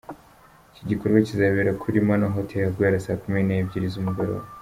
Iki gikorwa kizabera kuri The Manor Hotel guhera saa kumi n’ebyiri z’umugoroba.